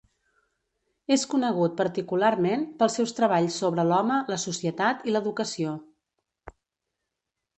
És conegut, particularment, pels seus treballs sobre l'home, la societat i l'educació.